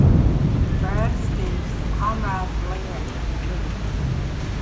Fred escapes the Comrade's lair with Liberty.